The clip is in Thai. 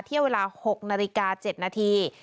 เที่ยวเวลา๖นาฬิกา๗นาที